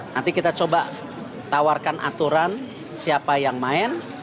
nanti kita coba tawarkan aturan siapa yang main